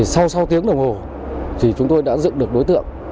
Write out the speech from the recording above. sau sáu tiếng đồng hồ chúng tôi đã dựng được đối tượng